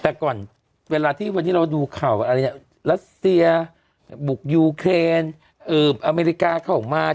แต่ก่อนเวลาที่วันนี้เราดูข่าวอะไรเนี่ยรัสเซียบุกยูเคนอเมริกาเข้ามา